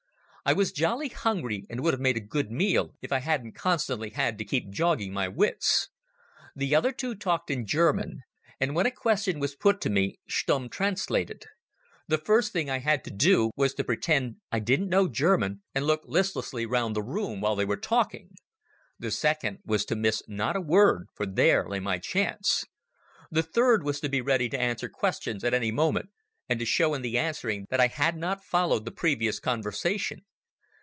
I was jolly hungry and would have made a good meal if I hadn't constantly had to keep jogging my wits. The other two talked in German, and when a question was put to me Stumm translated. The first thing I had to do was to pretend I didn't know German and look listlessly round the room while they were talking. The second was to miss not a word, for there lay my chance. The third was to be ready to answer questions at any moment, and to show in the answering that I had not followed the previous conversation.